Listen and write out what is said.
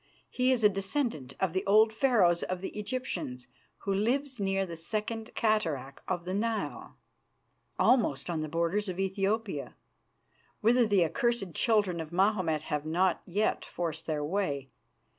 He is a descendant of the old Pharaohs of the Egyptians who lives near the second cataract of the Nile, almost on the borders of Ethiopia, whither the accursed children of Mahomet have not yet forced their way.